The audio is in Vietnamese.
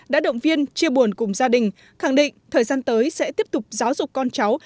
đã động viên chia buồn cùng gia đình khẳng định thời gian tới sẽ tiếp tục giáo dục con cháu